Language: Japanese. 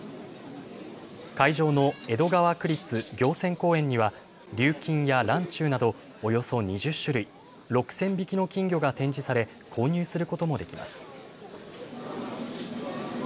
会場の江戸川区立行船公園にはりゅうきんや、らんちゅうなどおよそ２０種類６０００匹の金魚が展示され購入することもできます。